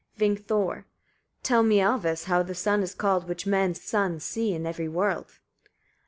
Vingthor. 16. Tell me, Alvis! etc., how the sun is called, which men's sons see in every world.